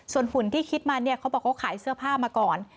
ส่วนหุ่นที่คิดมาเนี่ยเขาบอกเขาขายเสื้อผ้ามาก่อน